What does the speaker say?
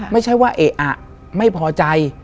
ไม่ใช่ว่าเอ๊ะอ่ะไม่พอใจ